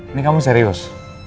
ini kamu serius